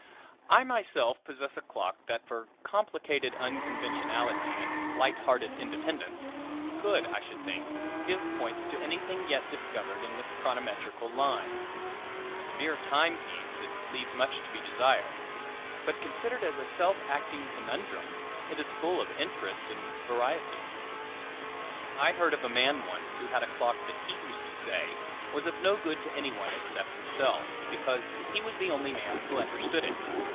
I myself possess a clock that for complicated unconventionality and light hearted independence, could, I should think, give points to anything yet discovered in the chronometrical line. As a mere time piece, it leaves much to be desired; but, considered as a self acting conundrum, it is full of interest and variety. I heard of a man once who had a clock that he used to say was of no good to any one except himself, because he was the only man who understood it.